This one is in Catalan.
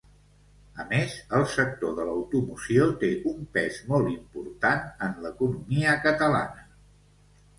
A més, el sector de l'automoció té un pes molt important en l'economia catalana.